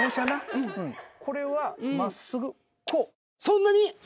これは真っすぐこう。